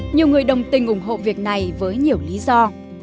nhiều người đồng tình ủng hộ việc này với nhiều lý do